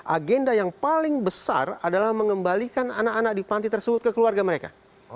agenda yang paling besar adalah mengembalikan anak anak di panti tersebut ke keluarga mereka